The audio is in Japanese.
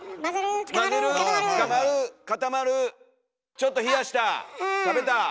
ちょっと冷やした食べたおいしい。